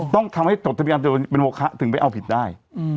ต้องทำให้จดทะเบียนเป็นโมคะถึงไปเอาผิดได้